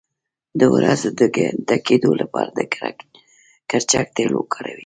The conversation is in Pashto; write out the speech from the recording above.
د وروځو د ډکیدو لپاره د کرچک تېل وکاروئ